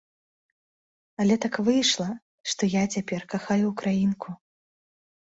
Але так выйшла, што я цяпер кахаю ўкраінку.